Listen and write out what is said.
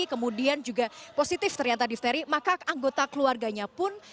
kemudian juga positif ternyata difteri maka anggota keluarganya pun